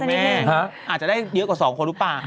อาจจะได้เยอะกว่า๒คนรู้ป่ะ